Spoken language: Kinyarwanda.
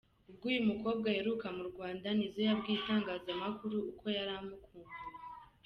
Ubwo uyu mukobwa aheruka mu Rwanda, Nizzo yabwiye itangazamakuru uko yari amukumbuye.